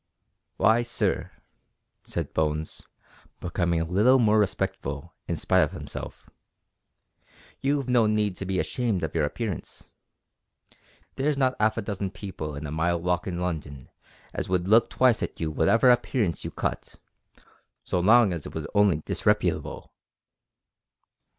"W'y, sir," said Bones, becoming a little more respectful in spite of himself, "you've no need to be ashamed of your appearance. There's not 'alf a dozen people in a mile walk in London as would look twice at you whatever appearance you cut so long as it was only disreputable."